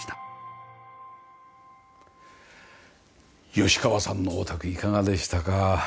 吉川さんのお宅いかがでしたか？